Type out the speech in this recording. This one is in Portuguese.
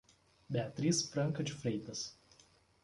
Beatriz Franca de Freitas